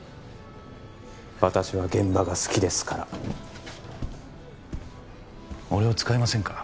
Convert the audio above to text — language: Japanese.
私は現場が好きですから俺を使いませんか？